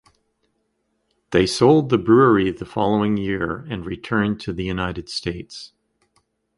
They sold the brewery the following year and returned to the United States.